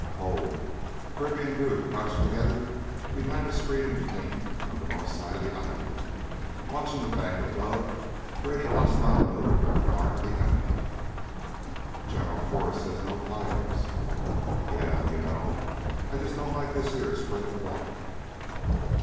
"Cold!" Kirby and Drew crouched together behind a screen of cane on the north side of the island, watching the bank above for any hostile move on the part of the enemy. "General Forrest says no fires." "Yeah. You know, I jus' don't like this heah spread of water.